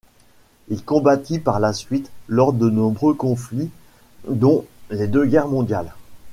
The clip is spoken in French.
Il combattit par la suite lors de nombreux conflits dont les deux guerres mondiales.